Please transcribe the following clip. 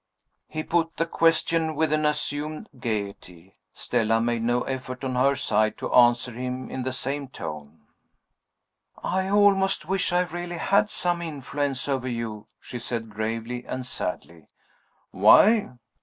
He put the question with an assumed gayety. Stella made no effort, on her side, to answer him in the same tone. "I almost wish I really had some influence over you," she said, gravely and sadly. "Why?"